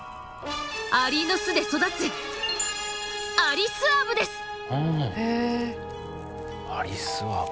アリの巣で育つアリスアブ。